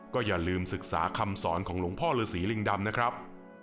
ก็อย่าลืมศึกษาคำสอนของหลวงพ่อฤษีลิงดำนะครับ